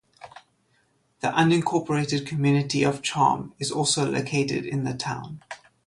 The unincorporated community of Charme is also located in the town.